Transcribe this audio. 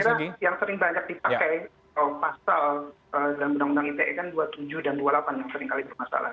saya kira yang sering banyak dipakai pasal dalam undang undang ite kan dua puluh tujuh dan dua puluh delapan yang seringkali bermasalah